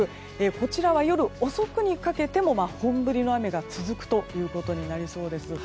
こちらは夜遅くにかけても本降りの雨が続くということになりそうです。